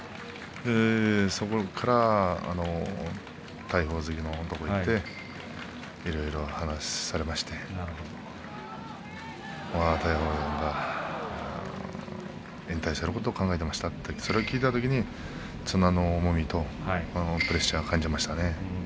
そこから大鵬関のを見ていろいろ話をされまして大鵬関が引退することを考えてましたと聞いたときに綱の重みとプレッシャーを感じました。